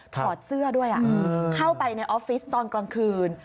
ถอดเสื้อด้วยเข้าไปในออฟฟิศตอนกลางคืน